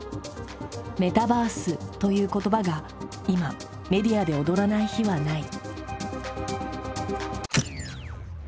「メタバース」という言葉が今メディアで躍らない日はない。